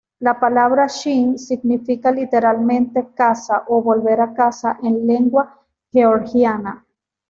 La palabra "Shin" significa literalmente "casa" o "volver a casa", en lengua georgiana.